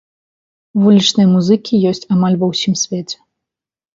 Вулічныя музыкі ёсць амаль ва ўсім свеце.